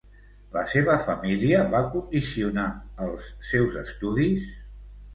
La seva família va condicionar els seus estudis?